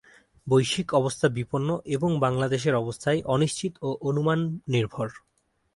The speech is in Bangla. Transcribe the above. বৈশ্বিক অবস্থা বিপন্ন এবং বাংলাদেশের অবস্থায় অনিশ্চিত ও অনুমান নির্ভর।